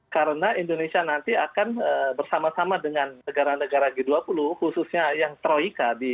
karena indonesia nanti akan bersama sama dengan negara negara g dua puluh khususnya yang troika